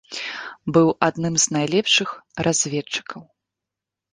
Быў адным з найлепшых разведчыкаў.